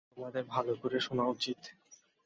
তোমাদের ভালো করে শোনা উচিত।